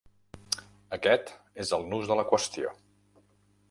Aquest és el nus de la qüestió.